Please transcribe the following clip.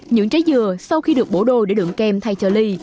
những trái dừa sau khi được bổ đồ để đựng kem thay cho ly